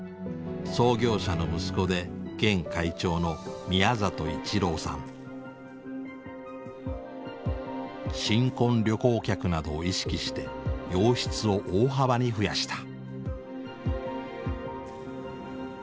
創業者の息子で新婚旅行客などを意識して洋室を大幅に増やした。